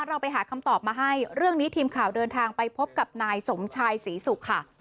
เราไปหาคำตอบมาให้เรื่องนี้ทีมข่าวเดินทางไปพบกับนายสมชายศรีศุกร์ค่ะ